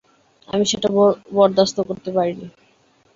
আমি সেটা বরদাস্ত করতে পারিনি।